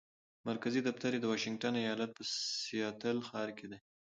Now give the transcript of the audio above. مرکزي دفتر یې د واشنګټن ایالت په سیاتل ښار کې دی.